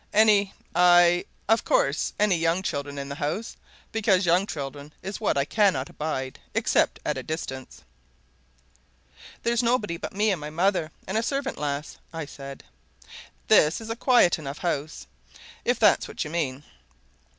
"Any aye, of course! any young children in the house? Because young children is what I cannot abide except at a distance." "There's nobody but me and my mother, and a servant lass," I said. "This is a quiet enough house, if that's what you mean."